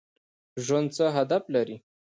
ژوند څه هدف لري؟